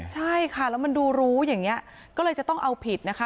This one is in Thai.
ใช่ค่ะแล้วมันดูรู้อย่างนี้ก็เลยจะต้องเอาผิดนะคะ